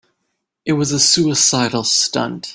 It was a suicidal stunt.